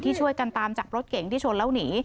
ช่วยกันตามจับรถเก๋งที่ชนแล้วหนี